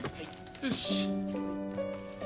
よし。